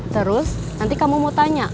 terus nanti kamu mau tanya